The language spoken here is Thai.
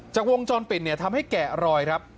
จากวงจรปิดเนี่ยทำให้แกะรอยครับ